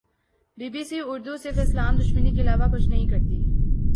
be B C Urdu صرف اسلام دشمنی کے علاوہ کچھ نہیں کرتی